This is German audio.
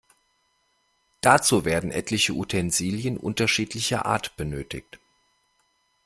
Dazu werden etliche Utensilien unterschiedlicher Art benötigt.